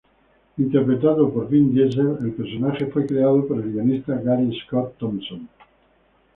Interpretado por Vin Diesel, el personaje fue creado por el guionista Gary Scott Thompson.